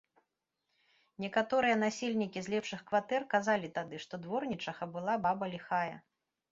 Некаторыя насельнікі з лепшых кватэр казалі тады, што дворнічыха была баба ліхая.